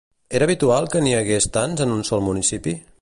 Era habitual que n'hi hagués tants en un sol municipi?